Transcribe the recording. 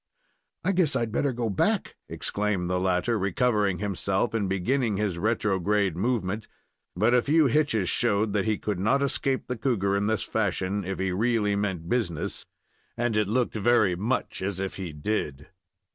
"I guess I'd better go back!" exclaimed the latter, recovering himself, and beginning his retrograde movement; but a few hitches showed that he could not escape the cougar in this fashion, if he really meant business, and it looked very much as if he did.